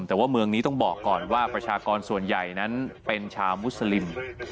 แต่ว่าเมืองนี้ต้องบอกก่อนว่าประชากรส่วนใหญ่นั้นเป็นชาวมุสลิม